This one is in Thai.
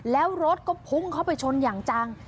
แล้วรถก็พุ่งเข้าไปชนอย่างจัง